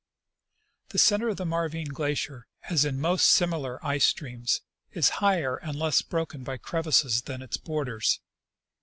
The center of the Marvine glacier, as in most similar ice streams, is higher and less broken by crevasses than its borders.